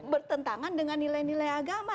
bertentangan dengan nilai nilai agama